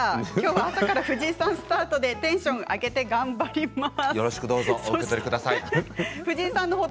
朝から藤井さんスタートでテンション上げて頑張ります。